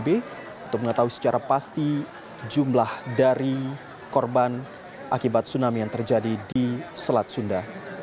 untuk mengetahui secara pasti jumlah dari korban akibat tsunami yang terjadi di selat sunda